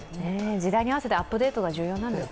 時代に合わせてアップデートが重要なんですね。